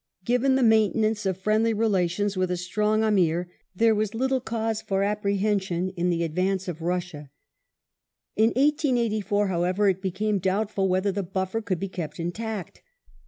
Given the maintenance of friendly relations with a strong Amir, there w^s little cause for apprehension in the advance of 508 THE GLADSTONE ADMINISTRATION [1880 Riissia. In 1884, however, it became doubtful whether the " buffer" could be kept intact.